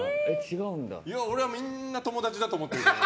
俺はみんな友達だと思ってるから。